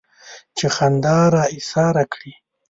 چې خندا را ايساره کړي.